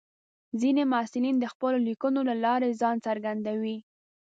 ځینې محصلین د خپلو لیکنو له لارې ځان څرګندوي.